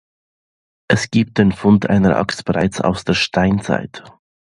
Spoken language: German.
Es gibt den Fund einer Axt bereits aus der Steinzeit.